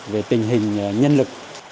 về tình hình nhân lực